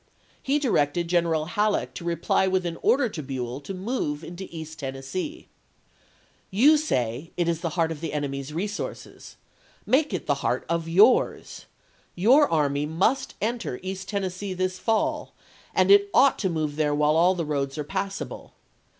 He directed Greueral Halleck to reply with an order to Buell to move into East Tennessee :" You say it is the heart of the enemy's resources, make it the heart of yours. .. Your army must enter East Tennessee this fall and ... it ought to move there while the roads are passable.